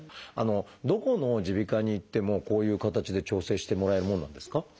どこの耳鼻科に行ってもこういう形で調整してもらえるものなんですか？